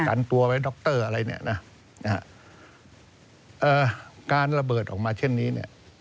หันตัวไว้ด็อกเตอร์อะไรเนี้ยนะเอ่อการระเบิดออกมาเช่นนี้เนี้ย